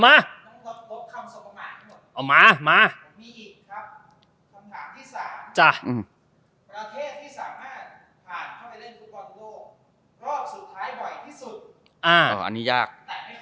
แต่ไม่เคยไปแฉะเหนื่อยทุกประเทศอะไร